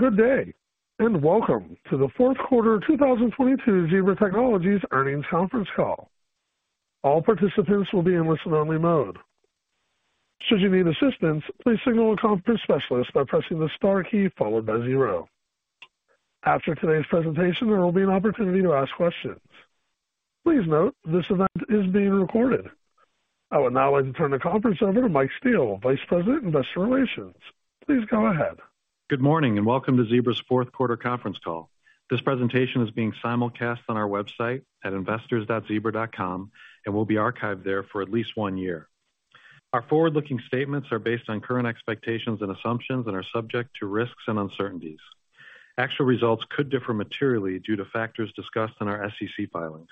Good day, welcome to the Q4 2022 Zebra Technologies Earnings Conference Call. All participants will be in listen only mode. Should you need assistance, please signal a conference specialist by pressing the star key followed by 0. After today's presentation, there will be an opportunity to ask questions. Please note this event is being recorded. I would now like to turn the conference over to Mike Steele, Vice President, Investor Relations. Please go ahead. Good morning and welcome to Zebra's fourth quarter conference call. This presentation is being simulcast on our website at investors.zebra.com and will be archived there for at least 1 year. Our forward-looking statements are based on current expectations and assumptions and are subject to risks and uncertainties. Actual results could differ materially due to factors discussed in our SEC filings.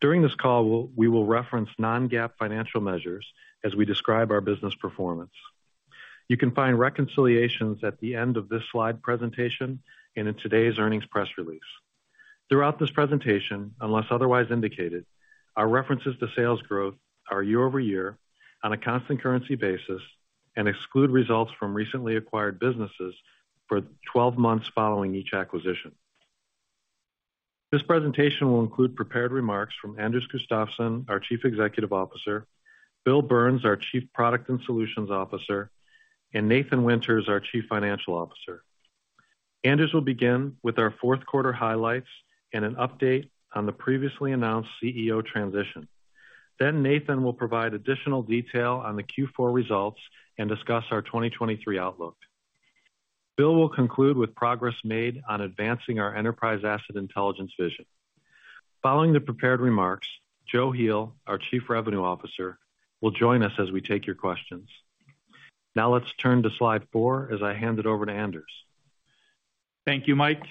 During this call, we will reference non-GAAP financial measures as we describe our business performance. You can find reconciliations at the end of this slide presentation and in today's earnings press release. Throughout this presentation, unless otherwise indicated, our references to sales growth are year-over-year on a constant currency basis and exclude results from recently acquired businesses for the 12 months following each acquisition. This presentation will include prepared remarks from Anders Gustafsson, our Chief Executive Officer, Bill Burns, our Chief Product and Solutions Officer, and Nathan Winters, our Chief Financial Officer. Anders will begin with our fourth quarter highlights and an update on the previously announced CEO transition. Nathan will provide additional detail on the Q4 results and discuss our 2023 outlook. Bill will conclude with progress made on advancing our Enterprise Asset Intelligence vision. Following the prepared remarks, Joe Heel, our Chief Revenue Officer, will join us as we take your questions. Let's turn to slide four as I hand it over to Anders. Thank you, Mike.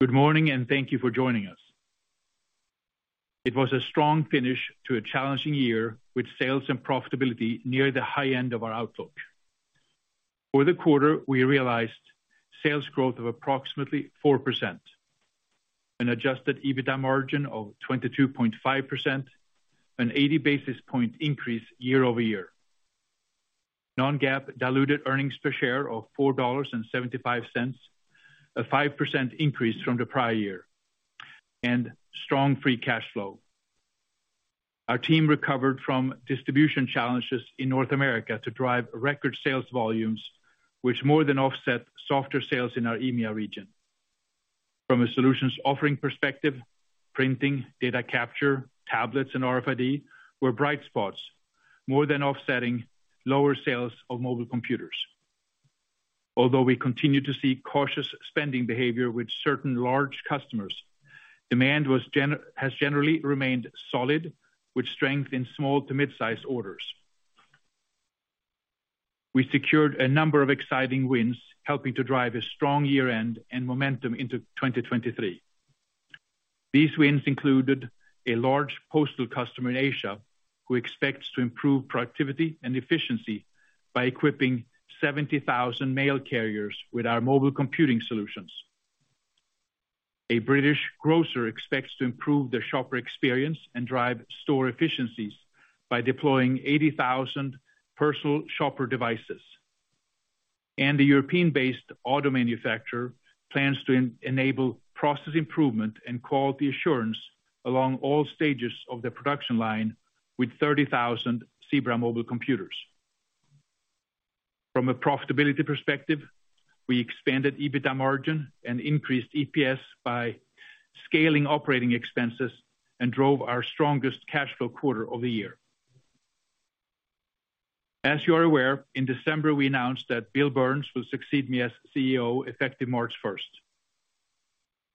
Good morning and thank you for joining us. It was a strong finish to a challenging year with sales and profitability near the high end of our outlook. For the quarter, we realized sales growth of approximately 4%, an adjusted EBITDA margin of 22.5%, an 80 basis point increase year-over-year. Non-GAAP diluted earnings per share of $4.75, a 5% increase from the prior year, and strong free cash flow. Our team recovered from distribution challenges in North America to drive record sales volumes, which more than offset softer sales in our EMEA region. From a solutions offering perspective, printing, data capture, tablets and RFID were bright spots, more than offsetting lower sales of mobile computers. Although we continue to see cautious spending behavior with certain large customers, demand has generally remained solid with strength in small to mid-size orders. We secured a number of exciting wins, helping to drive a strong year-end and momentum into 2023. These wins included a large postal customer in Asia who expects to improve productivity and efficiency by equipping 70,000 mail carriers with our mobile computing solutions. A British grocer expects to improve their shopper experience and drive store efficiencies by deploying 80,000 personal shopper devices. The European-based auto manufacturer plans to enable process improvement and quality assurance along all stages of the production line with 30,000 Zebra mobile computers. From a profitability perspective, we expanded EBITDA margin and increased EPS by scaling operating expenses and drove our strongest cash flow quarter of the year. As you are aware, in December we announced that Bill Burns will succeed me as CEO effective March first.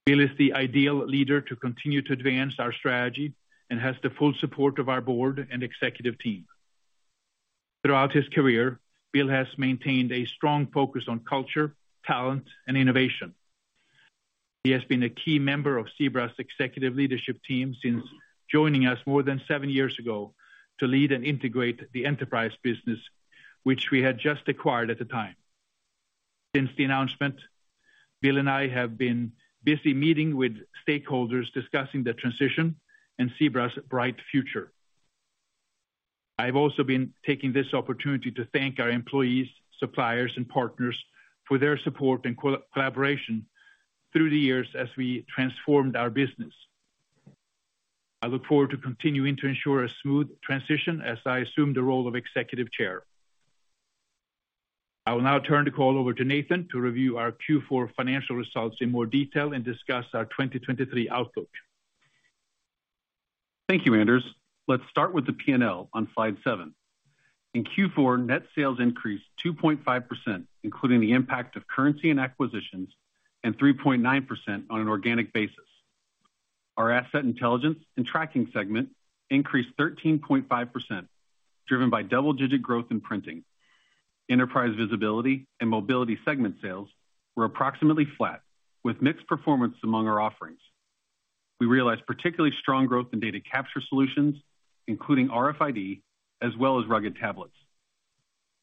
Bill is the ideal leader to continue to advance our strategy and has the full support of our board and executive team. Throughout his career, Bill has maintained a strong focus on culture, talent, and innovation. He has been a key member of Zebra's executive leadership team since joining us more than seven years ago to lead and integrate the enterprise business, which we had just acquired at the time. Since the announcement, Bill and I have been busy meeting with stakeholders discussing the transition and Zebra's bright future. I've also been taking this opportunity to thank our employees, suppliers and partners for their support and collaboration through the years as we transformed our business. I look forward to continuing to ensure a smooth transition as I assume the role of executive chair. I will now turn the call over to Nathan to review our Q4 financial results in more detail and discuss our 2023 outlook. Thank you, Anders. Let's start with the P&L on slide 7. In Q4, net sales increased 2.5%, including the impact of currency and acquisitions, and 3.9% on an organic basis. Our Asset Intelligence & Tracking segment increased 13.5%, driven by double-digit growth in printing. Enterprise Visibility & Mobility segment sales were approximately flat, with mixed performance among our offerings. We realized particularly strong growth in data capture solutions, including RFID as well as rugged tablets.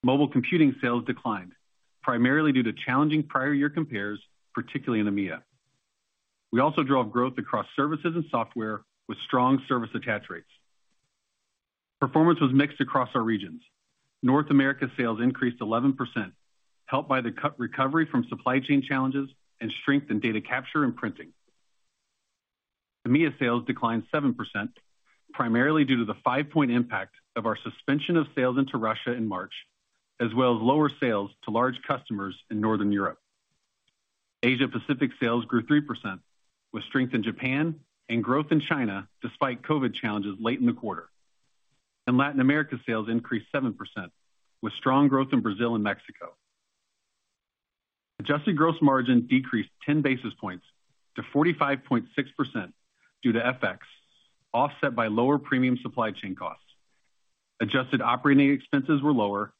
Mobile computing sales declined, primarily due to challenging prior year compares, particularly in EMEA. We also drove growth across services and software with strong service attach rates. Performance was mixed across our regions. North America sales increased 11%, helped by the cut recovery from supply chain challenges and strength in data capture and printing. EMEIA sales declined 7%, primarily due to the 5-point impact of our suspension of sales into Russia in March, as well as lower sales to large customers in Northern Europe. Asia Pacific sales grew 3%, with strength in Japan and growth in China, despite COVID challenges late in the quarter. Latin America sales increased 7%, with strong growth in Brazil and Mexico. Adjusted gross margin decreased 10 basis points to 45.6% due to FX, offset by lower premium supply chain costs. Adjusted operating expenses were lower,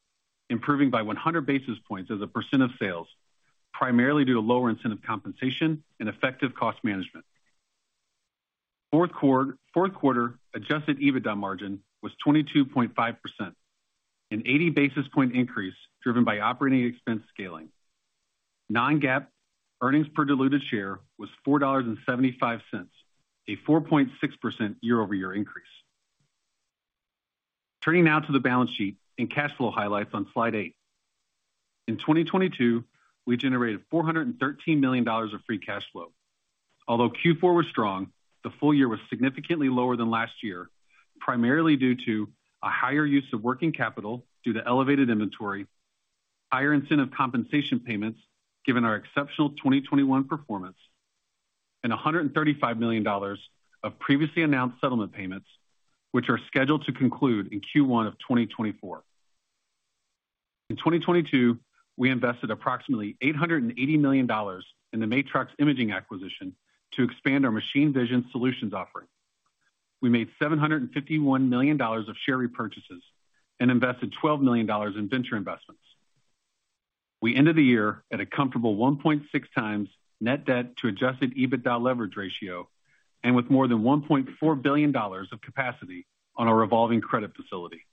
improving by 100 basis points as a percent of sales, primarily due to lower incentive compensation and effective cost management. Fourth quarter adjusted EBITDA margin was 22.5%, an 80 basis point increase driven by operating expense scaling. Non-GAAP earnings per diluted share was $4.75, a 4.6% year-over-year increase. Turning now to the balance sheet and cash flow highlights on slide 8. In 2022, we generated $413 million of free cash flow. Although Q4 was strong, the full year was significantly lower than last year, primarily due to a higher use of working capital due to elevated inventory, higher incentive compensation payments given our exceptional 2021 performance, and $135 million of previously announced settlement payments, which are scheduled to conclude in Q1 of 2024. In 2022, we invested approximately $880 million in the Matrox Imaging acquisition to expand our machine vision solutions offering. We made $751 million of share repurchases and invested $12 million in venture investments. We ended the year at a comfortable 1.6 times net debt to adjusted EBITDA leverage ratio, and with more than $1.4 billion of capacity on our revolving credit facility.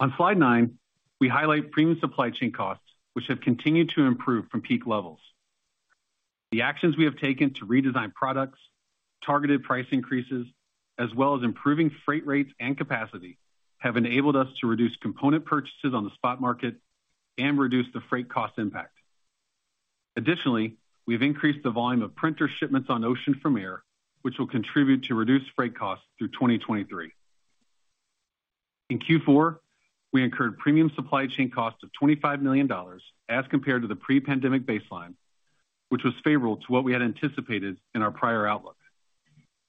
On slide 9, we highlight premium supply chain costs, which have continued to improve from peak levels. The actions we have taken to redesign products, targeted price increases, as well as improving freight rates and capacity, have enabled us to reduce component purchases on the spot market and reduce the freight cost impact. Additionally, we've increased the volume of printer shipments on ocean from air, which will contribute to reduced freight costs through 2023. In Q4, we incurred premium supply chain costs of $25 million as compared to the pre-pandemic baseline, which was favorable to what we had anticipated in our prior outlook,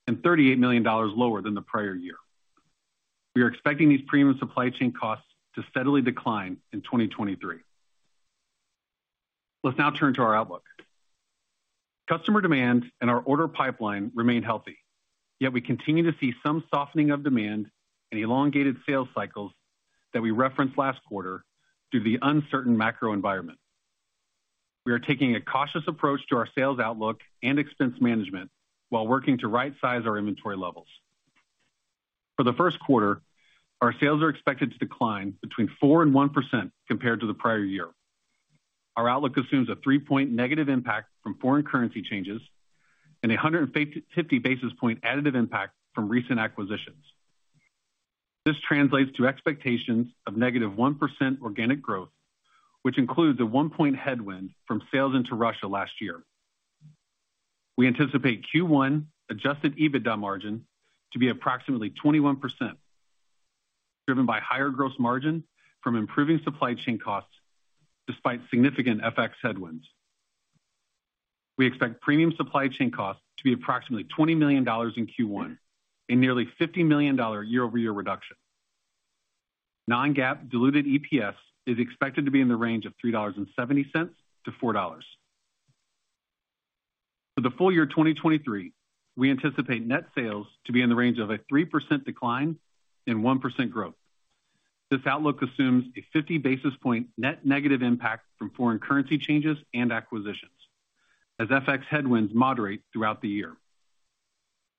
and $38 million lower than the prior year. We are expecting these premium supply chain costs to steadily decline in 2023. Let's now turn to our outlook. Customer demand and our order pipeline remain healthy. We continue to see some softening of demand and elongated sales cycles that we referenced last quarter due to the uncertain macro environment. We are taking a cautious approach to our sales outlook and expense management while working to rightsize our inventory levels. For the first quarter, our sales are expected to decline between 4% and 1% compared to the prior year. Our outlook assumes a 3-point negative impact from foreign currency changes and 150 basis point additive impact from recent acquisitions. This translates to expectations of negative 1% organic growth, which includes a 1-point headwind from sales into Russia last year. We anticipate Q1 adjusted EBITDA margin to be approximately 21%, driven by higher gross margin from improving supply chain costs despite significant FX headwinds. We expect premium supply chain costs to be approximately $20 million in Q1, a nearly $50 million year-over-year reduction. Non-GAAP diluted EPS is expected to be in the range of $3.70-$4.00. For the full year 2023, we anticipate net sales to be in the range of a 3% decline and 1% growth. This outlook assumes a 50 basis point net negative impact from foreign currency changes and acquisitions as FX headwinds moderate throughout the year.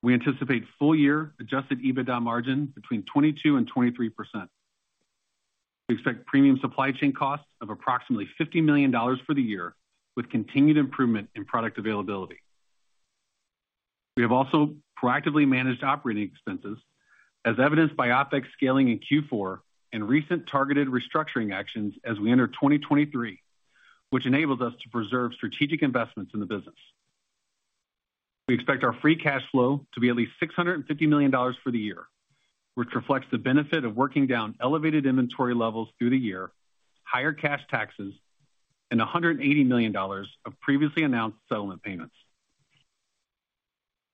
We anticipate full year adjusted EBITDA margin between 22% and 23%. We expect premium supply chain costs of approximately $50 million for the year, with continued improvement in product availability. We have also proactively managed operating expenses as evidenced by OpEx scaling in Q4 and recent targeted restructuring actions as we enter 2023, which enables us to preserve strategic investments in the business. We expect our free cash flow to be at least $650 million for the year, which reflects the benefit of working down elevated inventory levels through the year, higher cash taxes, and $180 million of previously announced settlement payments.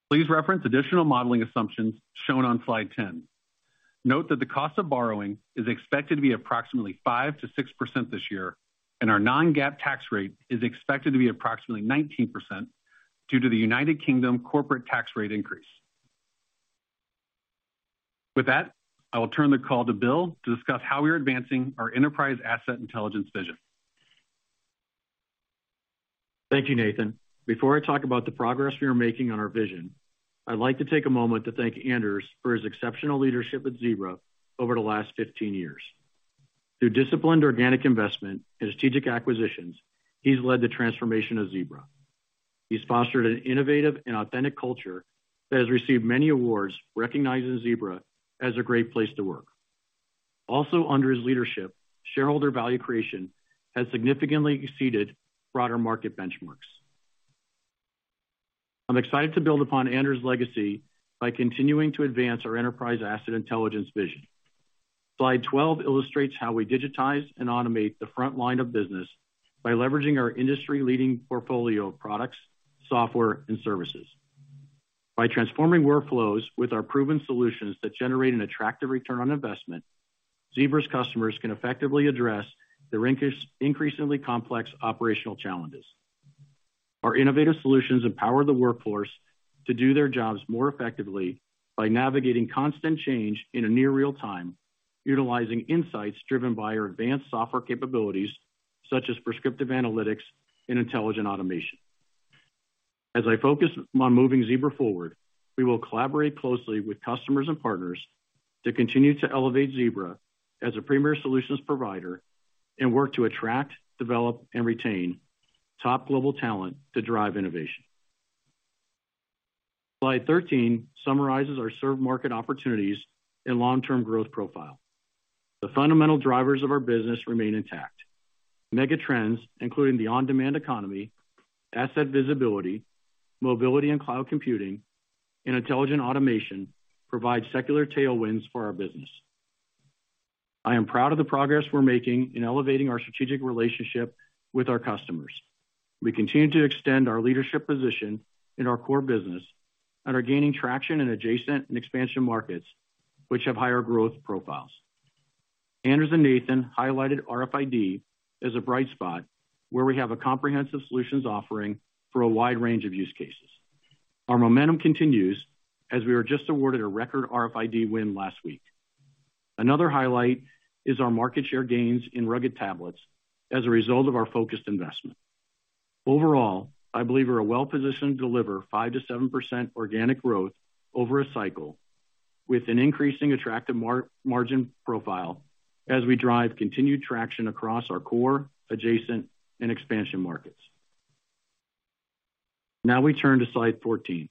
Please reference additional modeling assumptions shown on slide 10. Note that the cost of borrowing is expected to be approximately 5%-6% this year, and our non-GAAP tax rate is expected to be approximately 19% due to the United Kingdom corporate tax rate increase. With that, I will turn the call to Bill to discuss how we are advancing our Enterprise Asset Intelligence vision. Thank you, Nathan. Before I talk about the progress we are making on our vision, I'd like to take a moment to thank Anders for his exceptional leadership at Zebra over the last 15 years. Through disciplined organic investment and strategic acquisitions, he's led the transformation of Zebra. He's fostered an innovative and authentic culture that has received many awards recognizing Zebra as a great place to work. Also, under his leadership, shareholder value creation has significantly exceeded broader market benchmarks. I'm excited to build upon Anders' legacy by continuing to advance our Enterprise Asset Intelligence vision. Slide 12 illustrates how we digitize and automate the front line of business by leveraging our industry-leading portfolio of products, software, and services. By transforming workflows with our proven solutions that generate an attractive return on investment, Zebra's customers can effectively address their increasingly complex operational challenges. Our innovative solutions empower the workforce to do their jobs more effectively by navigating constant change in a near real time, utilizing insights driven by our advanced software capabilities such as prescriptive analytics and intelligent automation. As I focus on moving Zebra forward, we will collaborate closely with customers and partners to continue to elevate Zebra as a premier solutions provider and work to attract, develop, and retain top global talent to drive innovation. Slide 13 summarizes our served market opportunities and long-term growth profile. The fundamental drivers of our business remain intact. Megatrends, including the on-demand economy, asset visibility, mobility and cloud computing, and intelligent automation, provide secular tailwinds for our business. I am proud of the progress we're making in elevating our strategic relationship with our customers. We continue to extend our leadership position in our core business and are gaining traction in adjacent and expansion markets which have higher growth profiles. Anders and Nathan highlighted RFID as a bright spot where we have a comprehensive solutions offering for a wide range of use cases. Our momentum continues as we were just awarded a record RFID win last week. Another highlight is our market share gains in rugged tablets as a result of our focused investment. Overall, I believe we are well-positioned to deliver 5%-7% organic growth over a cycle with an increasing attractive margin profile as we drive continued traction across our core, adjacent, and expansion markets. Now we turn to slide 14.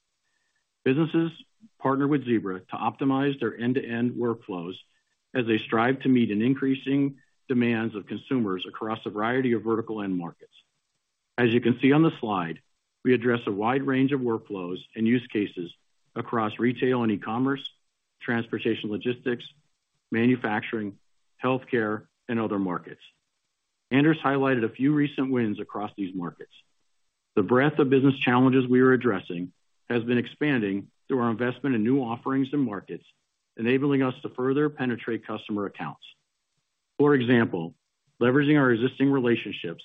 Businesses partner with Zebra to optimize their end-to-end workflows as they strive to meet an increasing demands of consumers across a variety of vertical end markets. As you can see on the slide, we address a wide range of workflows and use cases across retail and e-commerce, transportation logistics, manufacturing, healthcare, and other markets. Anders highlighted a few recent wins across these markets. The breadth of business challenges we are addressing has been expanding through our investment in new offerings and markets, enabling us to further penetrate customer accounts. For example, leveraging our existing relationships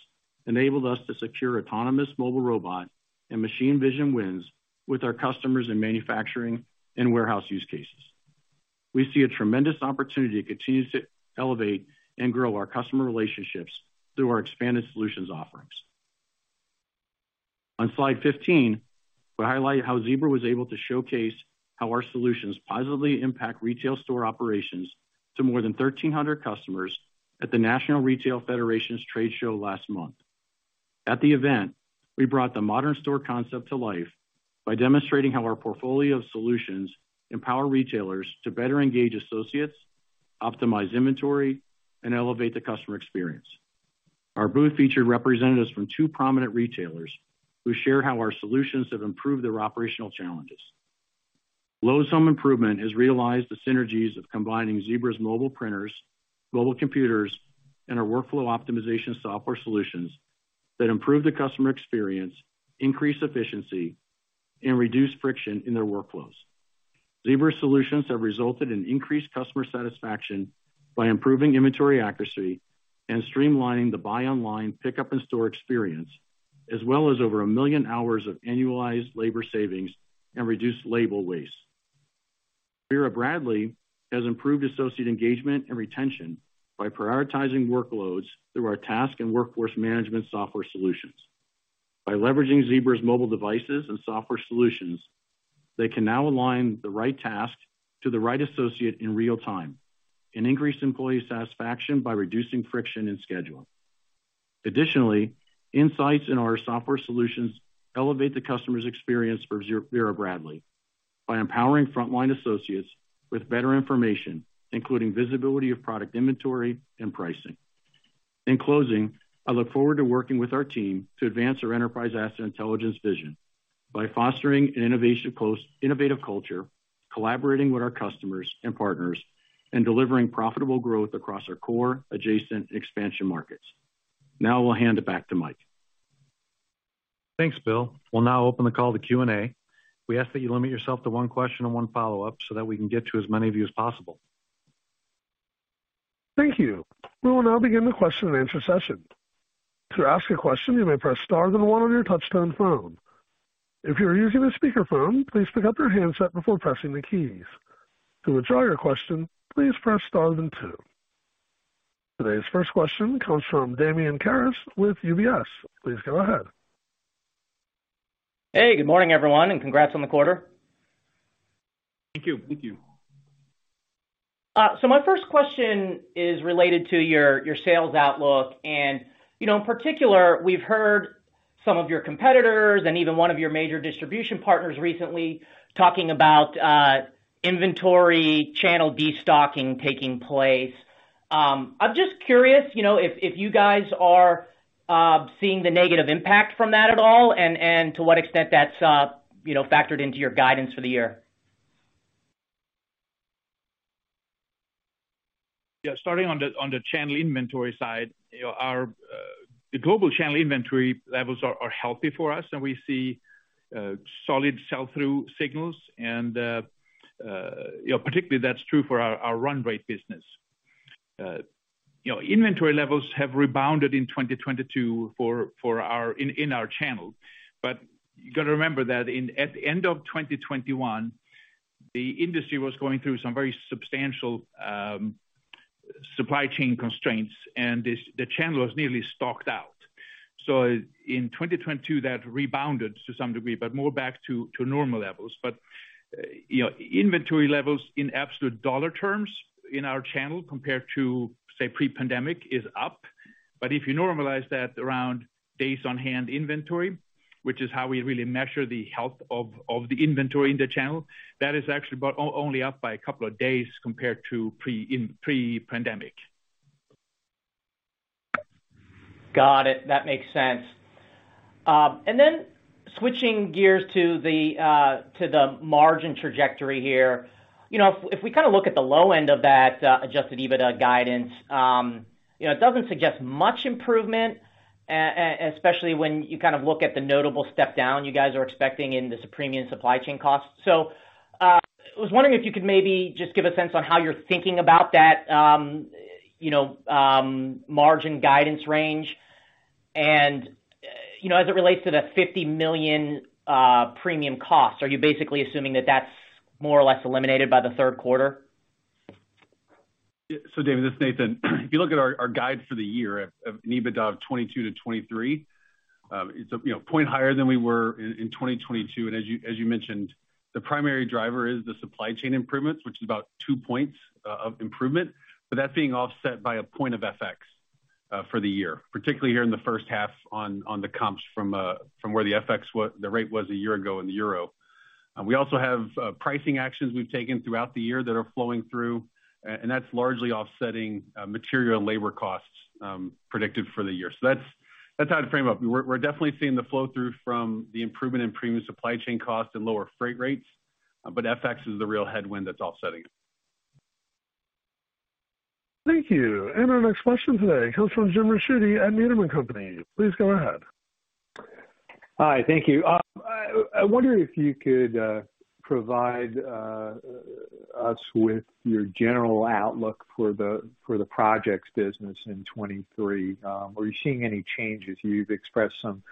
enabled us to secure autonomous mobile robot and machine vision wins with our customers in manufacturing and warehouse use cases. We see a tremendous opportunity to continue to elevate and grow our customer relationships through our expanded solutions offerings. On slide 15, we highlight how Zebra was able to showcase how our solutions positively impact retail store operations to more than 1,300 customers at the National Retail Federation's trade show last month. At the event, we brought the modern store concept to life by demonstrating how our portfolio of solutions empower retailers to better engage associates, optimize inventory, and elevate the customer experience. Our booth featured representatives from two prominent retailers who share how our solutions have improved their operational challenges. Lowe's Home Improvement has realized the synergies of combining Zebra's mobile printers, mobile computers, and our workflow optimization software solutions that improve the customer experience, increase efficiency, and reduce friction in their workflows. Zebra solutions have resulted in increased customer satisfaction by improving inventory accuracy and streamlining the buy online pickup in store experience, as well as over 1 million hours of annualized labor savings and reduced labor waste. Vera Bradley has improved associate engagement and retention by prioritizing workloads through our task and workforce management software solutions. By leveraging Zebra's mobile devices and software solutions, they can now align the right task to the right associate in real time and increase employee satisfaction by reducing friction in scheduling. Additionally, insights in our software solutions elevate the customer's experience for Vera Bradley by empowering frontline associates with better information, including visibility of product inventory and pricing. In closing, I look forward to working with our team to advance our Enterprise Asset Intelligence vision by fostering an innovative culture, collaborating with our customers and partners, and delivering profitable growth across our core, adjacent, and expansion markets. I will hand it back to Mike. Thanks, Bill. We'll now open the call to Q&A. We ask that you limit yourself to one question and one follow-up so that we can get to as many of you as possible. Thank you. We will now begin the question-and-answer session. To ask a question, you may press star then 1 on your touch-tone phone. If you're using a speakerphone, please pick up your handset before pressing the keys. To withdraw your question, please press star then 2. Today's first question comes from Damian Karas with UBS. Please go ahead. Hey, good morning, everyone, and congrats on the quarter. Thank you. Thank you. My first question is related to your sales outlook. You know, in particular, we've heard some of your competitors and even one of your major distribution partners recently talking about inventory channel destocking taking place. I'm just curious, you know, if you guys are seeing the negative impact from that at all, and to what extent that's, you know, factored into your guidance for the year? Yeah. Starting on the channel inventory side, you know, our the global channel inventory levels are healthy for us, and we see solid sell-through signals, and, you know, particularly that's true for our run rate business. You know, inventory levels have rebounded in 2022 for our channel. You gotta remember that at the end of 2021, the industry was going through some very substantial supply chain constraints, and the channel was nearly stocked out. In 2022, that rebounded to some degree, but more back to normal levels. You know, inventory levels in absolute dollar terms in our channel compared to, say, pre-pandemic is up. If you normalize that around days on hand inventory, which is how we really measure the health of the inventory in the channel, that is actually about only up by a couple of days compared to pre-pandemic. Got it. That makes sense. Then switching gears to the margin trajectory here. You know, if we kinda look at the low end of that adjusted EBITDA guidance, you know, it doesn't suggest much improvement, especially when you kind of look at the notable step down you guys are expecting in the premium supply chain costs. I was wondering if you could maybe just give a sense on how you're thinking about that, you know, margin guidance range and, you know, as it relates to the $50 million premium cost. Are you basically assuming that that's more or less eliminated by the third quarter? David, this is Nathan. If you look at our guides for the year of an EBITDA of 22-23, it's a, you know, 1 point higher than we were in 2022. As you mentioned, the primary driver is the supply chain improvements, which is about 2 points of improvement. That's being offset by 1 point of FX for the year, particularly here in the first half on the comps from where the rate was 1 year ago in the EUR. We also have pricing actions we've taken throughout the year that are flowing through, and that's largely offsetting material and labor costs predicted for the year. That's how to frame up. We're definitely seeing the flow-through from the improvement in premium supply chain costs and lower freight rates, but FX is the real headwind that's offsetting it. Thank you. Our next question today comes from Jim Ricchiuti at Needham & Company. Please go ahead. Hi. Thank you. I wonder if you could provide us with your general outlook for the projects business in 2023? Are you seeing any changes? You've expressed some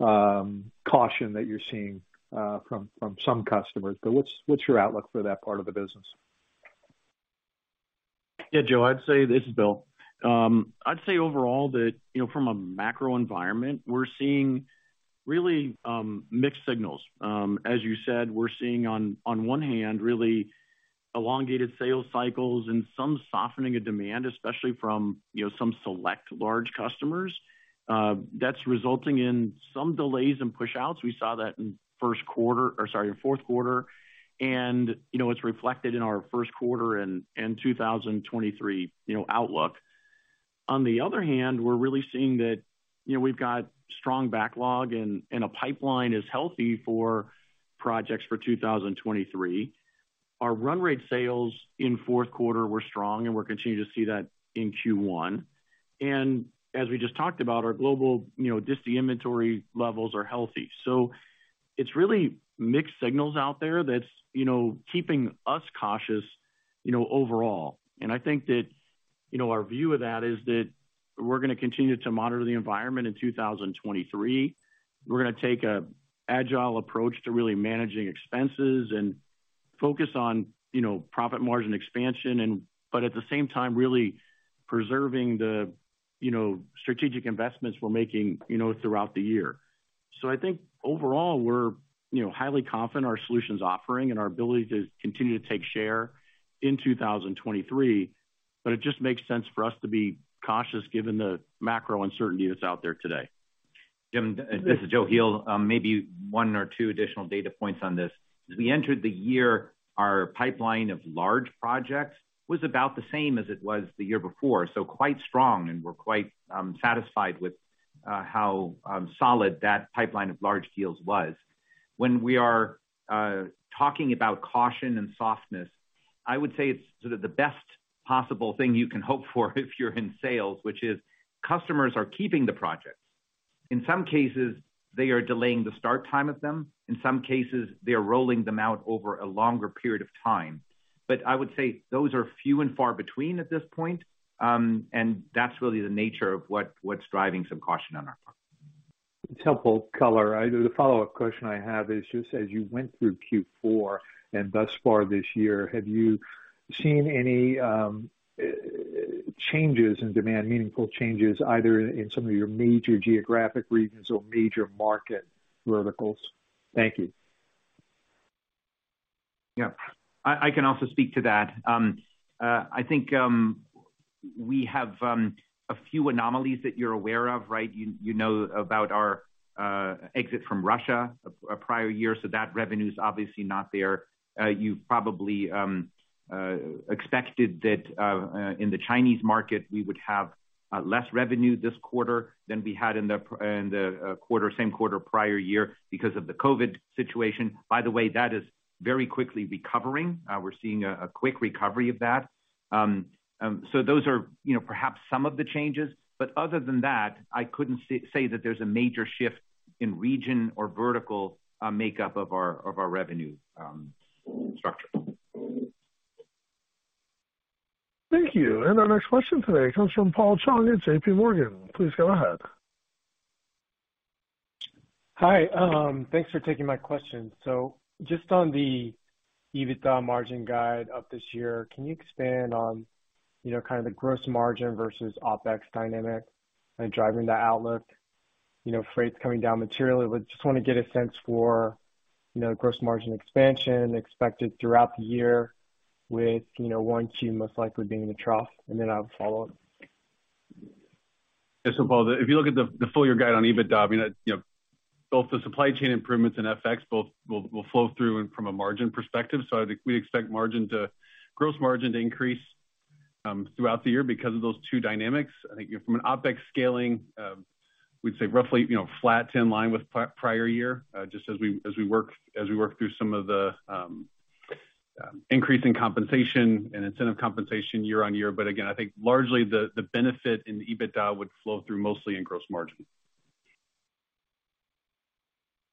caution that you're seeing from some customers, but what's your outlook for that part of the business? Yeah, Joe, I'd say. This is Bill. I'd say overall that, you know, from a macro environment, we're seeing really mixed signals. As you said, we're seeing on one hand really elongated sales cycles and some softening of demand, especially from, you know, some select large customers. That's resulting in some delays and push-outs. We saw that in fourth quarter. It's reflected in our first quarter in 2023, you know, outlook. On the other hand, we're really seeing that, you know, we've got strong backlog and a pipeline is healthy for projects for 2023. Our run rate sales in fourth quarter were strong, and we're continuing to see that in Q1. As we just talked about, our global, you know, just the inventory levels are healthy. It's really mixed signals out there that's, you know, keeping us cautious, you know, overall. I think that, you know, our view of that is that we're gonna continue to monitor the environment in 2023. We're gonna take an agile approach to really managing expenses and focus on, you know, profit margin expansion but at the same time, really preserving the, you know, strategic investments we're making, you know, throughout the year. I think overall we're, you know, highly confident our solutions offering and our ability to continue to take share in 2023, but it just makes sense for us to be cautious given the macro uncertainty that's out there today. Jim, this is Joe Heel. Maybe 1 or 2 additional data points on this. As we entered the year, our pipeline of large projects was about the same as it was the year before, so quite strong, and we're quite satisfied with how solid that pipeline of large deals was. When we are talking about caution and softness, I would say it's sort of the best possible thing you can hope for if you're in sales, which is customers are keeping the projects. In some cases, they are delaying the start time of them. In some cases, they are rolling them out over a longer period of time. But I would say those are few and far between at this point, and that's really the nature of what's driving some caution on our part. It's helpful color. The follow-up question I have is just as you went through Q4 and thus far this year, have you seen any? Changes in demand, meaningful changes, either in some of your major geographic regions or major market verticals. Thank you. Yeah. I can also speak to that. I think we have a few anomalies that you're aware of, right? You know about our exit from Russia prior year, that revenue is obviously not there. You probably expected that in the Chinese market, we would have less revenue this quarter than we had in the quarter, same quarter prior year because of the COVID situation. By the way, that is very quickly recovering. We're seeing quick recovery of that. Those are, you know, perhaps some of the changes. Other than that, I couldn't say that there's a major shift in region or vertical makeup of our revenue structure. Thank you. Our next question today comes from Paul Chung at JPMorgan. Please go ahead. Hi. Thanks for taking my question. Just on the EBITDA margin guide of this year, can you expand on, you know, kind of the gross margin versus OpEx dynamic, driving that outlook? You know, freight's coming down materially. I just wanna get a sense for, you know, gross margin expansion expected throughout the year with, you know, oneQ most likely being in the trough. I have a follow-up. Yeah. Paul, if you look at the full-year guide on EBITDA, I mean, you know, both the supply chain improvements and FX both will flow through and from a margin perspective. I think we expect gross margin to increase throughout the year because of those two dynamics. I think from an OpEx scaling, we'd say roughly, you know, flat to in line with prior year, just as we work through some of the increase in compensation and incentive compensation year-on-year. Again, I think largely the benefit in the EBITDA would flow through mostly in gross margin.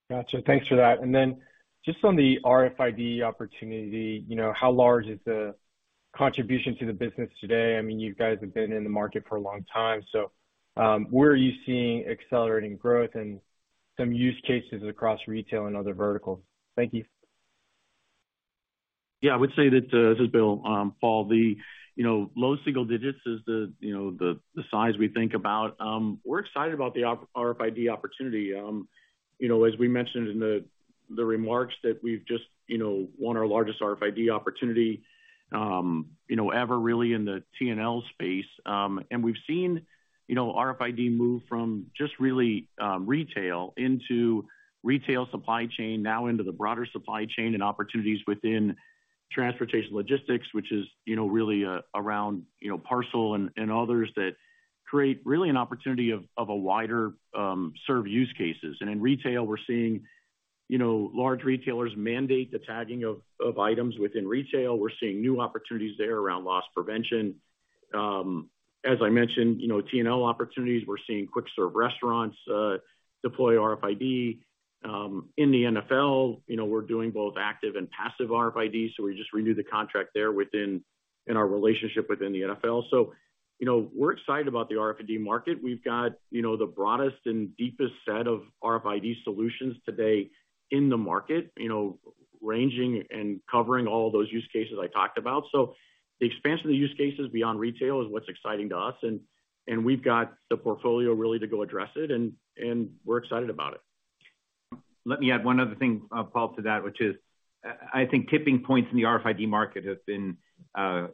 Gotcha. Thanks for that. Just on the RFID opportunity, you know, how large is the contribution to the business today? I mean, you guys have been in the market for a long time, where are you seeing accelerating growth and some use cases across retail and other verticals? Thank you. I would say that, this is Bill, Paul. The, you know, low single digits is the, you know, size we think about. We're excited about the Op-RFID opportunity. As we mentioned in the remarks that we've just, you know, won our largest RFID opportunity, ever really in the TNL space. We've seen, you know, RFID move from just really, retail into retail supply chain now into the broader supply chain and opportunities within transportation logistics, which is, you know, really, around, you know, parcel and others that create really an opportunity of a wider, serve use cases. In retail, we're seeing, you know, large retailers mandate the tagging of items within retail. We're seeing new opportunities there around loss prevention. As I mentioned, you know, TNL opportunities, we're seeing quick-serve restaurants deploy RFID. In the NFL, you know, we're doing both active and passive RFID, so we just renewed the contract there in our relationship within the NFL. You know, we're excited about the RFID market. We've got, you know, the broadest and deepest set of RFID solutions today in the market, you know, ranging and covering all those use cases I talked about. The expansion of use cases beyond retail is what's exciting to us, and we've got the portfolio really to go address it, and we're excited about it. Let me add one other thing, Paul, to that, which is I think tipping points in the RFID market have been,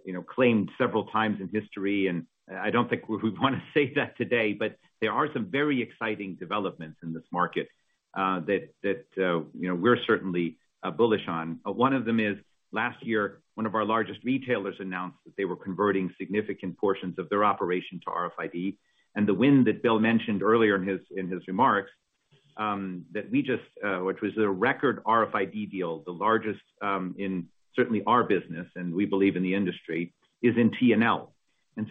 you know, claimed several times in history, and I don't think we wanna say that today, but there are some very exciting developments in this market, that, you know, we're certainly bullish on. One of them is last year, one of our largest retailers announced that they were converting significant portions of their operation to RFID. The win that Bill mentioned earlier in his remarks, which was a record RFID deal, the largest, in certainly our business, and we believe in the industry, is in TNL.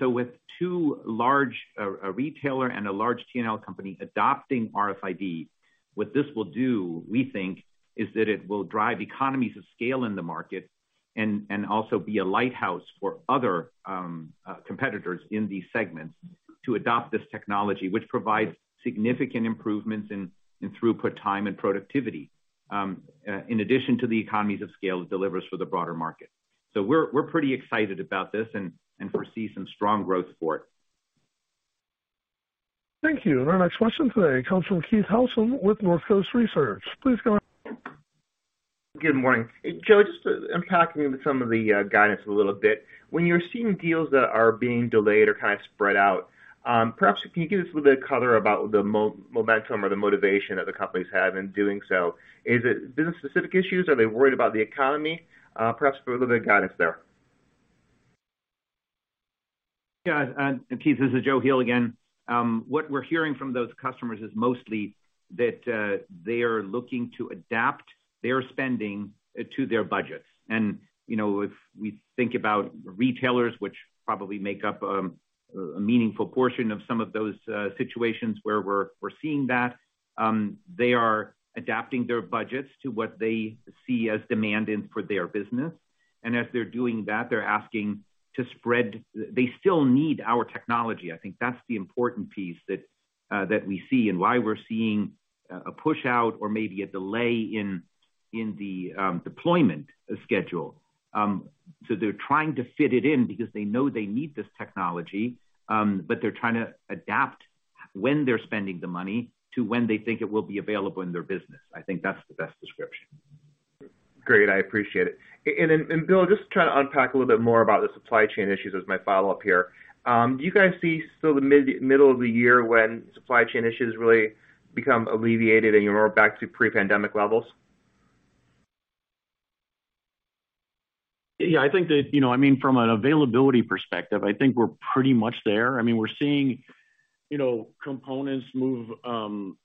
With two large, a retailer and a large TNL company adopting RFID, what this will do, we think, is that it will drive economies of scale in the market and also be a lighthouse for other competitors in these segments to adopt this technology, which provides significant improvements in throughput time and productivity, in addition to the economies of scale it delivers for the broader market. We're pretty excited about this and foresee some strong growth for it. Thank you. Our next question today comes from Keith Housum with Northcoast Research. Please go on. Good morning. Joe, just unpacking some of the guidance a little bit. When you're seeing deals that are being delayed or kind of spread out, perhaps can you give us a little bit of color about the momentum or the motivation that the companies have in doing so? Is it business specific issues? Are they worried about the economy? Perhaps a little bit of guidance there. Keith, this is Joe Heel again. What we're hearing from those customers is mostly that, they are looking to adapt their spending to their budgets. You know, if we think about retailers, which probably make up a meaningful portion of some of those situations where we're seeing that, they are adapting their budgets to what they see as demand in for their business. As they're doing that, they're asking to spread... They still need our technology. I think that's the important piece that we see and why we're seeing a push-out or maybe a delay in the deployment schedule. They're trying to fit it in because they know they need this technology, but they're trying to adapt when they're spending the money to when they think it will be available in their business. I think that's the best description. Great. I appreciate it. Bill, just trying to unpack a little bit more about the supply chain issues as my follow-up here, do you guys see still the mid-middle of the year when supply chain issues really become alleviated, and you're back to pre-pandemic levels? Yeah, I think that, you know, I mean, from an availability perspective, I think we're pretty much there. I mean, we're seeing, you know, components move,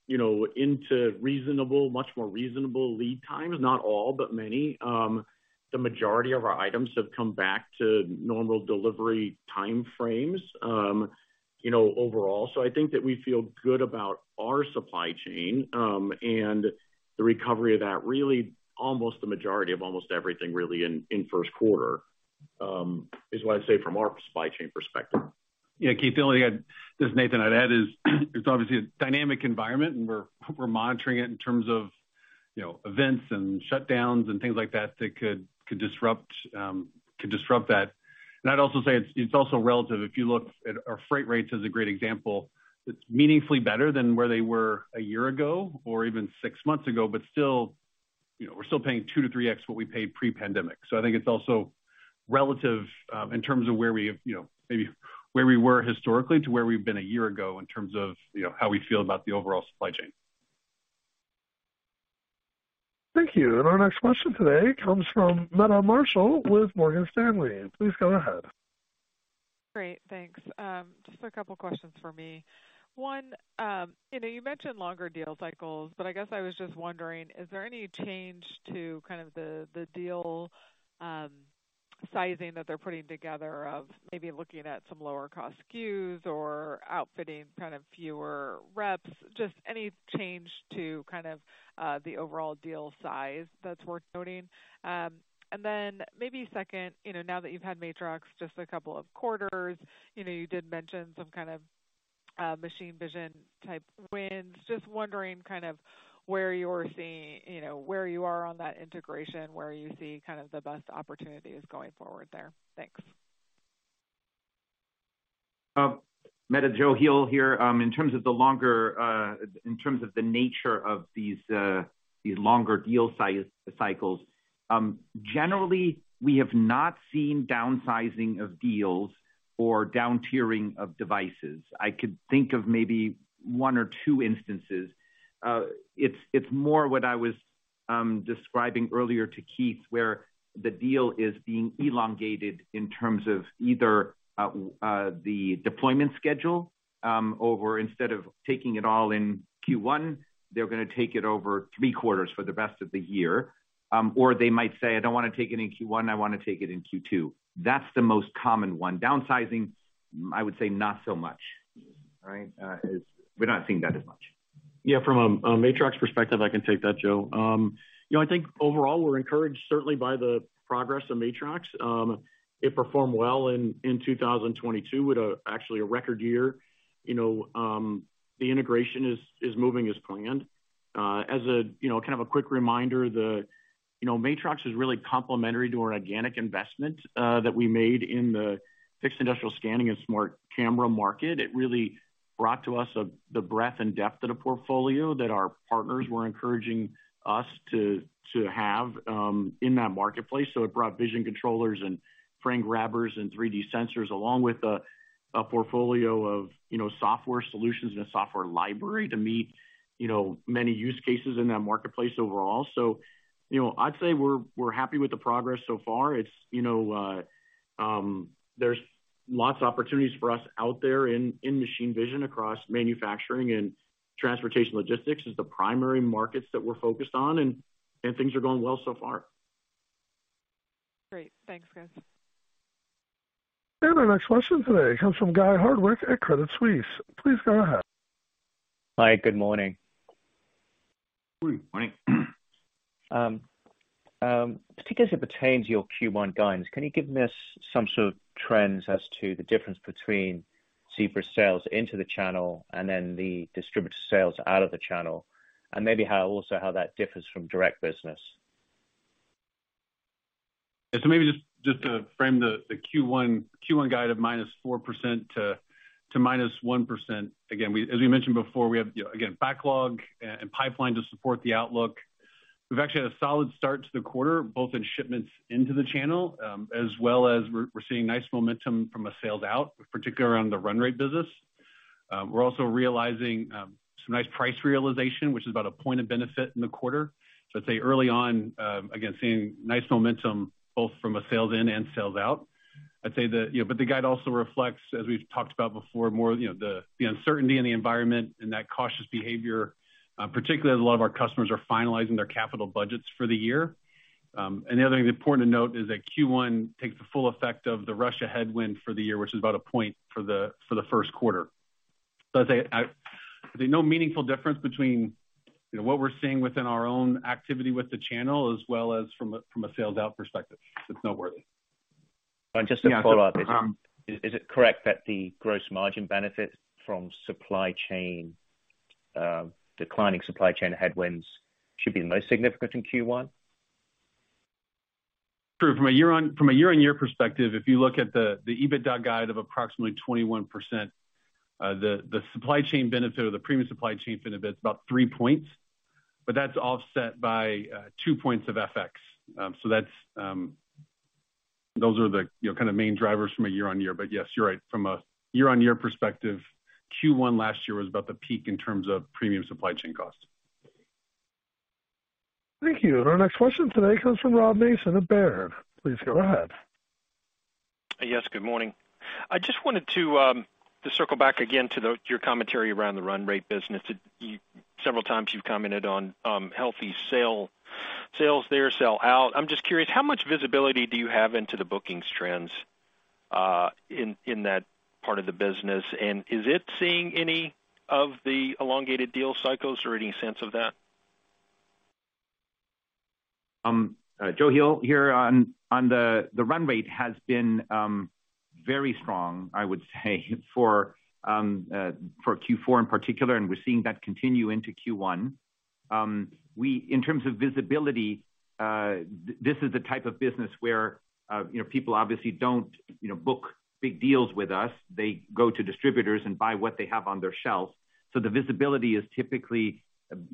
you know, into much more reasonable lead times, not all, but many. The majority of our items have come back to normal delivery timeframes, you know, overall. I think that we feel good about our supply chain and the recovery of that really almost the majority of almost everything really in first quarter, is what I'd say from our supply chain perspective. Yeah. Keith, the only thing Just Nathan, I'd add is, it's obviously a dynamic environment, we're monitoring it in terms of, you know, events and shutdowns and things like that that could disrupt that. I'd also say it's also relative. If you look at our freight rates as a great example, it's meaningfully better than where they were 1 year ago or even 6 months ago. Still, you know, we're still paying 2x-3x what we paid pre-pandemic. I think it's also relative, in terms of where we have, you know, maybe where we were historically to where we've been 1 year ago in terms of, you know, how we feel about the overall supply chain. Thank you. Our next question today comes from Meta Marshall with Morgan Stanley. Please go ahead. Great, thanks. Just a couple questions for me. One, you know, you mentioned longer deal cycles, but I guess I was just wondering, is there any change to kind of the deal sizing that they're putting together of maybe looking at some lower cost SKUs or outfitting kind of fewer reps, just any change to kind of the overall deal size that's worth noting? Then maybe second, you know, now that you've had Matrox just a couple of quarters, you know, you did mention some kind of machine vision type wins. Just wondering kind of where you're seeing, you know, where you are on that integration, where you see kind of the best opportunities going forward there? Thanks. Meta, Joe Heel here. In terms of the longer, in terms of the nature of these longer deal cycles, generally, we have not seen downsizing of deals or down-tiering of devices. I could think of maybe 1 or 2 instances. It's more what I was describing earlier to Keith, where the deal is being elongated in terms of either the deployment schedule, over instead of taking it all in Q1, they're gonna take it over 3 quarters for the rest of the year. Or they might say, "I don't wanna take it in Q1. I wanna take it in Q2." That's the most common 1. Downsizing, I would say not so much. Right? Is we're not seeing that as much. Yeah. From a Matrox perspective, I can take that, Joe. You know, I think overall we're encouraged certainly by the progress of Matrox. It performed well in 2022 with a actually a record year. You know, the integration is moving as planned. As a, you know, kind of a quick reminder, the, you know, Matrox is really complementary to our organic investment that we made in the fixed industrial scanning and smart camera market. It really brought to us the breadth and depth of the portfolio that our partners were encouraging us to have in that marketplace. It brought Vision Controllers and frame grabbers and 3D sensors along with a portfolio of, you know, software solutions and a software library to meet, you know, many use cases in that marketplace overall. You know, I'd say we're happy with the progress so far. It's, you know, there's lots of opportunities for us out there in machine vision across manufacturing and transportation logistics is the primary markets that we're focused on, and things are going well so far. Great. Thanks, guys. Our next question today comes from Guy Hardwick at Credit Suisse. Please go ahead. Hi. Good morning. Good morning. Morning. Particularly as it pertains to your Q1 guidance, can you give me some sort of trends as to the difference between Zebra sales into the channel and then the distributor sales out of the channel, and maybe also how that differs from direct business? Yeah. Maybe just to frame the Q1 guide of -4% to -1%. Again, as we mentioned before, we have, you know, again, backlog and pipeline to support the outlook. We've actually had a solid start to the quarter, both in shipments into the channel, as well as we're seeing nice momentum from a sales out, particularly around the run rate business. We're also realizing some nice price realization, which is about a point of benefit in the quarter. I'd say early on, again, seeing nice momentum both from a sales in and sales out. I'd say the... You know, the guide also reflects, as we've talked about before, more, you know, the uncertainty in the environment and that cautious behavior, particularly as a lot of our customers are finalizing their capital budgets for the year. The other thing important to note is that Q1 takes the full effect of the Russia headwind for the year, which is about a point for the first quarter. I'd say, I'd say no meaningful difference between, you know, what we're seeing within our own activity with the channel as well as from a sales out perspective that's noteworthy. Just a follow-up. Is it correct that the gross margin benefit from supply chain, declining supply chain headwinds should be most significant in Q1? True. From a year on, from a year-on-year perspective, if you look at the EBITDA guide of approximately 21%, the supply chain benefit or the premium supply chain benefit is about 3 points, that's offset by 2 points of FX. Those are the, you know, main drivers from a year-on-year. Yes, you're right. From a year-on-year perspective, Q1 last year was about the peak in terms of premium supply chain costs. Thank you. Our next question today comes from Rob Mason at Baird. Please go ahead. Yes, good morning. I just wanted to circle back again to your commentary around the run rate business. Several times you've commented on healthy sales there sell out. I'm just curious, how much visibility do you have into the bookings trends in that part of the business? Is it seeing any of the elongated deal cycles or any sense of that? Joe Heel here. On the run rate has been very strong, I would say, for Q4 in particular, and we're seeing that continue into Q1. In terms of visibility, this is the type of business where, you know, people obviously don't, you know, book big deals with us. They go to distributors and buy what they have on their shelves. The visibility is typically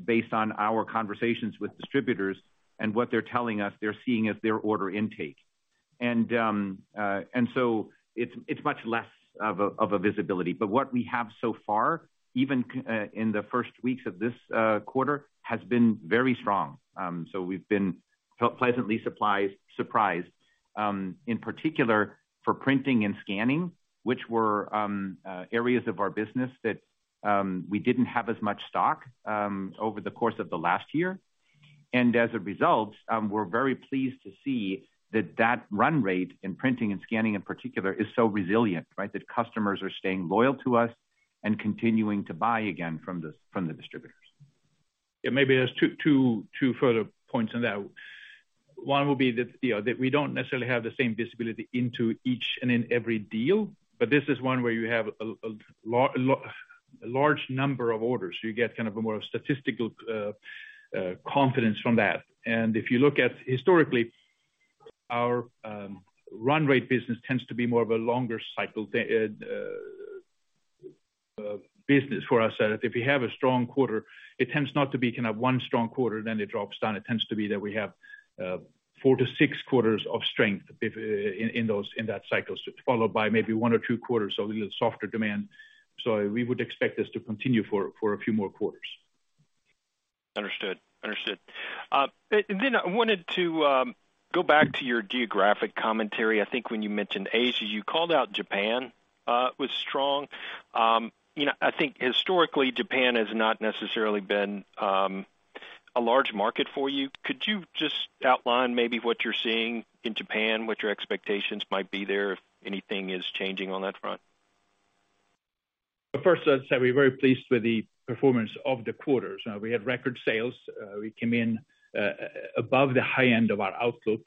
based on our conversations with distributors and what they're telling us they're seeing as their order intake. It's much less of a visibility. What we have so far, even in the first weeks of this quarter, has been very strong. We've been pleasantly surprised, in particular for printing and scanning, which were areas of our business that we didn't have as much stock over the course of the last year. As a result, we're very pleased to see that that run rate in printing and scanning in particular is so resilient, right? That customers are staying loyal to us and continuing to buy again from the distributors. Yeah, maybe there's 2 further points on that. 1 will be that, you know, that we don't necessarily have the same visibility into each and in every deal, but this is 1 where you have a large number of orders. You get kind of a more statistical confidence from that. If you look at historically, our run rate business tends to be more of a longer cycle business for us. That if you have a strong quarter, it tends not to be kind of 1 strong quarter, then it drops down. It tends to be that we have 4-6 quarters of strength if, in that cycle, followed by maybe 1 or 2 quarters of a little softer demand. We would expect this to continue for a few more quarters. Understood. Understood. I wanted to go back to your geographic commentary. I think when you mentioned Asia, you called out Japan was strong. You know, I think historically, Japan has not necessarily been a large market for you. Could you just outline maybe what you're seeing in Japan, what your expectations might be there, if anything is changing on that front? First, let's say we're very pleased with the performance of the quarter. We had record sales. We came in above the high end of our outlook.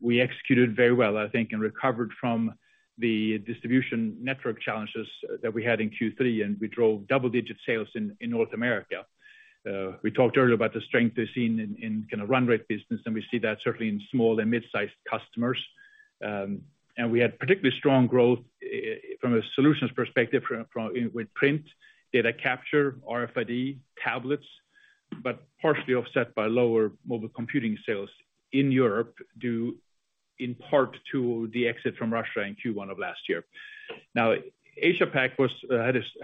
We executed very well, I think, and recovered from the distribution network challenges that we had in Q3, and we drove double-digit sales in North America. We talked earlier about the strength we're seeing in kind of run rate business, and we see that certainly in small and mid-sized customers. And we had particularly strong growth from a solutions perspective from with print, data capture, RFID, tablets, partially offset by lower mobile computing sales in Europe, due in part to the exit from Russia in Q1 of last year. Asia Pac was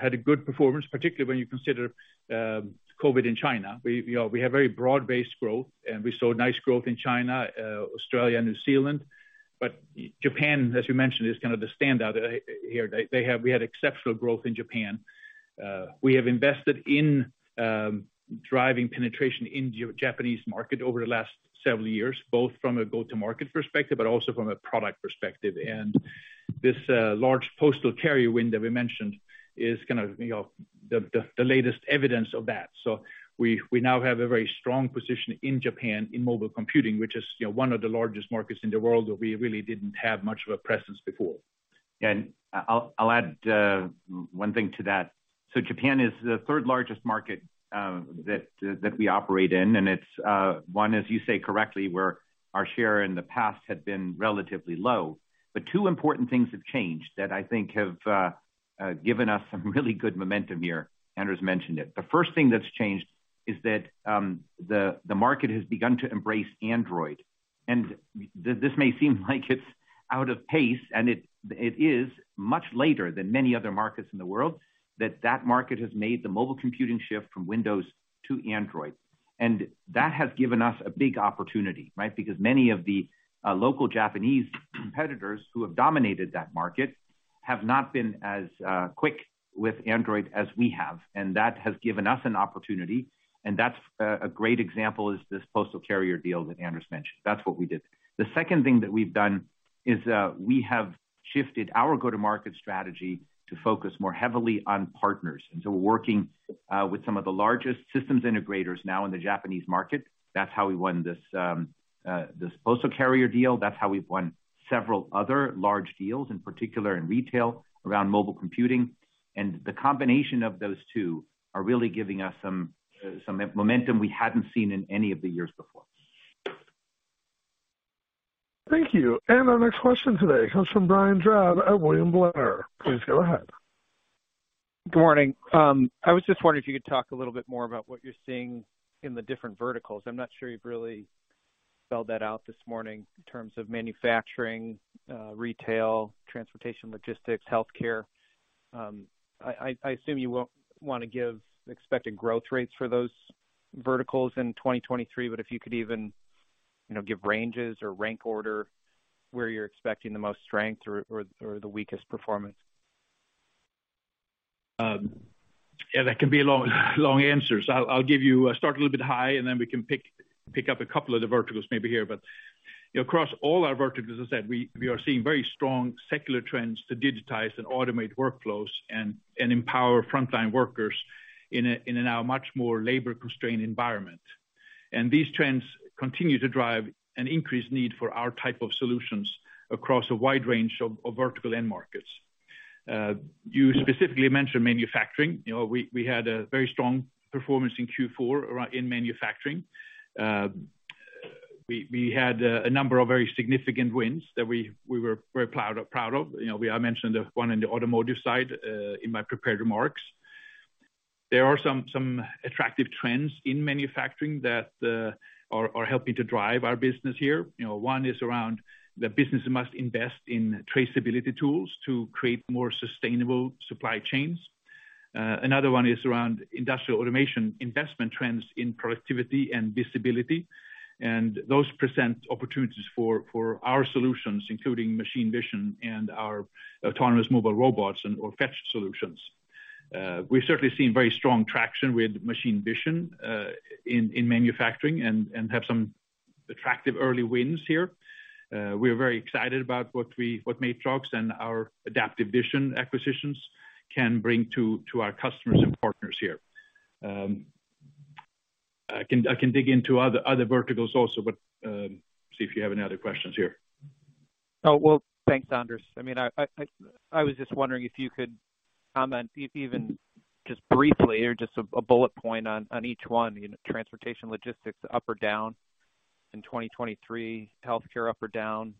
had a good performance, particularly when you consider COVID in China. We, you know, we have very broad-based growth. We saw nice growth in China, Australia, New Zealand. Japan, as you mentioned, is kind of the standout here. We had exceptional growth in Japan. We have invested in driving penetration in Japanese market over the last several years, both from a go-to-market perspective, but also from a product perspective. This large postal carrier win that we mentioned is kind of, you know, the latest evidence of that. We now have a very strong position in Japan in mobile computing, which is, you know, one of the largest markets in the world where we really didn't have much of a presence before. I'll add one thing to that. Japan is the third largest market that we operate in, and it's one, as you say correctly, where our share in the past had been relatively low. Two important things have changed that I think have given us some really good momentum here. Anders mentioned it. The first thing that's changed is that the market has begun to embrace Android. This may seem like it's out of pace, and it is much later than many other markets in the world that that market has made the mobile computing shift from Windows to Android. That has given us a big opportunity, right? Because many of the local Japanese competitors who have dominated that market have not been as quick with Android as we have. That has given us an opportunity, and that's a great example is this postal carrier deal that Anders mentioned. That's what we did. The second thing that we've done is, Shifted our go-to-market strategy to focus more heavily on partners. We're working with some of the largest systems integrators now in the Japanese market. That's how we won this this postal carrier deal. That's how we've won several other large deals, in particular in retail around mobile computing. The combination of those two are really giving us some momentum we hadn't seen in any of the years before. Thank you. Our next question today comes from Brian Drab at William Blair. Please go ahead. Good morning. I was just wondering if you could talk a little bit more about what you're seeing in the different verticals? I'm not sure you've really spelled that out this morning in terms of manufacturing, retail, transportation, logistics, healthcare. I assume you won't want to give expected growth rates for those verticals in 2023, but if you could even, you know, give ranges or rank order where you're expecting the most strength or the weakest performance. Yeah, that can be a long answer. I'll give you a start a little bit high, and then we can pick up a couple of the verticals maybe here. Across all our verticals, as I said, we are seeing very strong secular trends to digitize and automate workflows and empower frontline workers in a now much more labor-constrained environment. These trends continue to drive an increased need for our type of solutions across a wide range of vertical end markets. You specifically mentioned manufacturing. You know, we had a very strong performance in Q4 around in manufacturing. We had a number of very significant wins that we were very proud of. You know, we are mentioned one in the automotive side in my prepared remarks. There are some attractive trends in manufacturing that are helping to drive our business here. You know, one is around the business must invest in traceability tools to create more sustainable supply chains. Another one is around intelligent automation investment trends in productivity and visibility. Those present opportunities for our solutions, including machine vision and our autonomous mobile robots and or Fetch solutions. We've certainly seen very strong traction with machine vision in manufacturing and have some attractive early wins here. We're very excited about what Matrox and our Adaptive Vision acquisitions can bring to our customers and partners here. I can dig into other verticals also, but see if you have any other questions here. Oh, well, thanks, Anders. I mean, I was just wondering if you could comment if even just briefly or just a bullet point on each one, you know, transportation, logistics, up or down in 2023, healthcare up or down,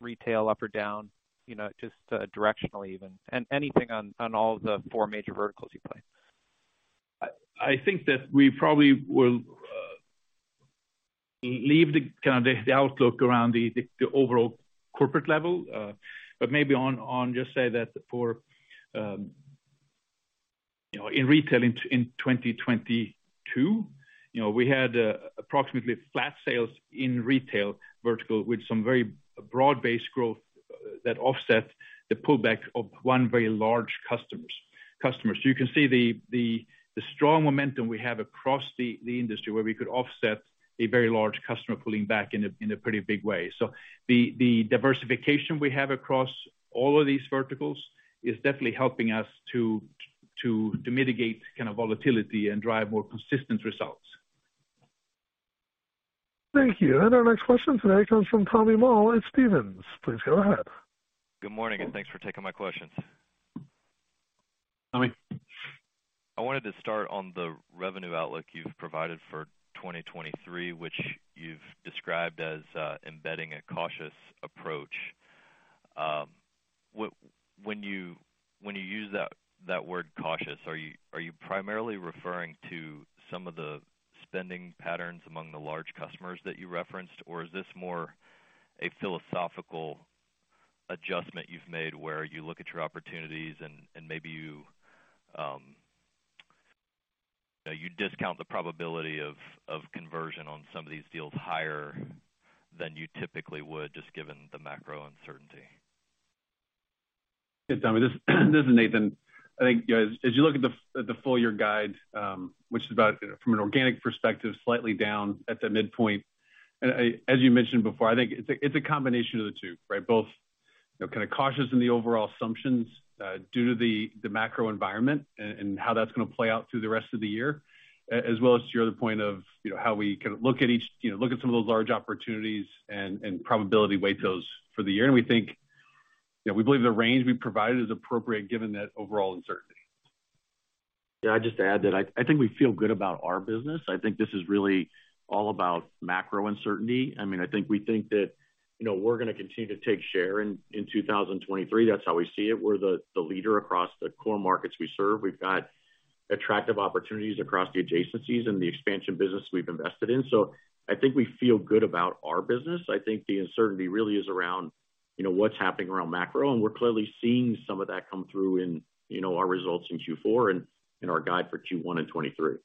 retail up or down, you know, just directionally even. Anything on all the four major verticals you play? I think that we probably will leave the kind of the outlook around the overall corporate level. Maybe on just say that for, you know, in retail in 2022, you know, we had approximately flat sales in retail vertical with some very broad-based growth that offset the pullback of one very large customers. You can see the strong momentum we have across the industry where we could offset a very large customer pulling back in a pretty big way. The diversification we have across all of these verticals is definitely helping us to mitigate kind of volatility and drive more consistent results. Thank you. Our next question today comes from Tommy Moll at Stephens. Please go ahead. Good morning. Thanks for taking my questions. Tommy. I wanted to start on the revenue outlook you've provided for 2023, which you've described as embedding a cautious approach. When you use that word cautious, are you primarily referring to some of the spending patterns among the large customers that you referenced? Or is this more a philosophical adjustment you've made where you look at your opportunities and maybe you discount the probability of conversion on some of these deals higher than you typically would, just given the macro uncertainty? Yeah, Tommy, this is Nathan. I think, you know, as you look at the full year guide, which is about from an organic perspective, slightly down at the midpoint. As you mentioned before, I think it's a combination of the two, right? Both, you know, kind of cautious in the overall assumptions, due to the macro environment and how that's going to play out through the rest of the year. As well as to your other point of, you know, how we kind of look at each, you know, look at some of those large opportunities and probability weight those for the year. We think, you know, we believe the range we provided is appropriate given that overall uncertainty. Can I just add that I think we feel good about our business. I think this is really all about macro uncertainty. I mean, I think we think that, you know, we're going to continue to take share in 2023. That's how we see it. We're the leader across the core markets we serve. We've got attractive opportunities across the adjacencies and the expansion business we've invested in. I think we feel good about our business. I think the uncertainty really is around, you know, what's happening around macro, we're clearly seeing some of that come through in, you know, our results in Q4 and in our guide for Q1 in 2023.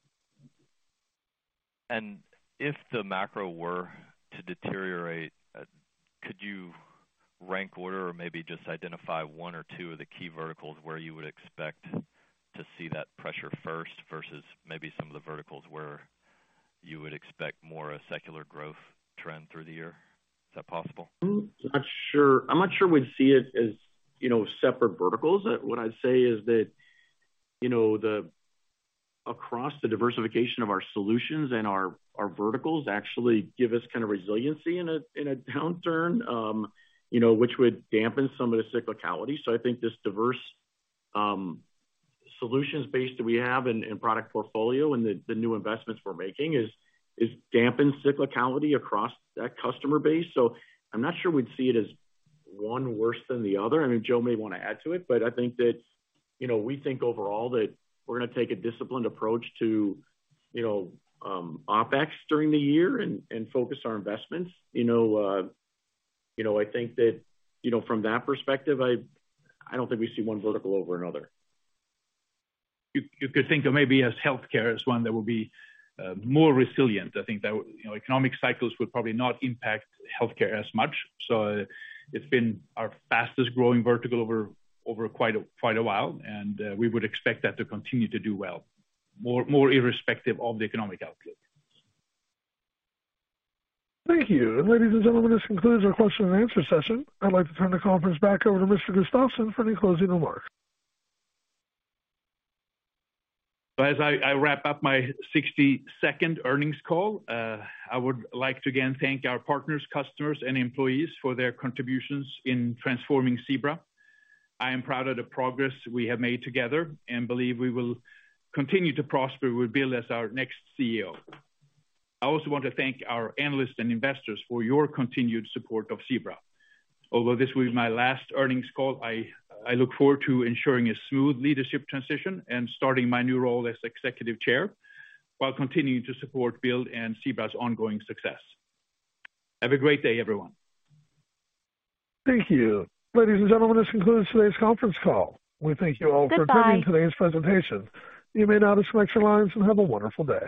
If the macro were to deteriorate, could you rank order or maybe just identify one or two of the key verticals where you would expect to see that pressure first versus maybe some of the verticals You would expect more a secular growth trend through the year. Is that possible? I'm not sure. I'm not sure we'd see it as, you know, separate verticals. What I'd say is that, you know, across the diversification of our solutions and our verticals actually give us kind of resiliency in a downturn, you know, which would dampen some of the cyclicality. I think this diverse solutions base that we have and product portfolio and the new investments we're making is dampened cyclicality across that customer base. I'm not sure we'd see it as one worse than the other. I mean, Joe may want to add to it, but I think that, you know, we think overall that we're gonna take a disciplined approach to, you know, OpEx during the year and focus our investments. You know, you know, I think that, you know, from that perspective, I don't think we see one vertical over another. You could think of maybe as healthcare as one that will be more resilient. I think that, you know, economic cycles would probably not impact healthcare as much. It's been our fastest-growing vertical over quite a while, and we would expect that to continue to do well, more irrespective of the economic outlook. Thank you. Ladies and gentlemen, this concludes our question and answer session. I'd like to turn the conference back over to Mr. Gustafsson for any closing remarks. As I wrap up my 60-second earnings call, I would like to again thank our partners, customers and employees for their contributions in transforming Zebra. I am proud of the progress we have made together and believe we will continue to prosper with Bill as our next CEO. I also want to thank our analysts and investors for your continued support of Zebra. Although this will be my last earnings call, I look forward to ensuring a smooth leadership transition and starting my new role as executive chair while continuing to support Bill and Zebra's ongoing success. Have a great day, everyone. Thank you. Ladies and gentlemen, this concludes today's conference call. We thank you all- Goodbye For attending today's presentation. You may now disconnect your lines and have a wonderful day.